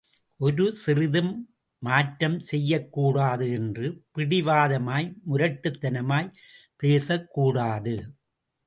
ஒரு சிறிதும் மாற்றம் செய்யக்கூடாது என்று பிடிவாதமாய் முரட்டுத்தனமாய்ப் பேசக்கூடாது.